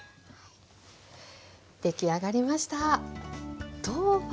出来上がりました。